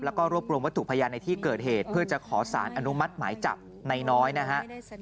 แล้วก็รวบรวมวัตถุพยานในที่เกิดเหตุเพื่อจะขอสารอนุมัติหมายจับในน้อยนะฮะ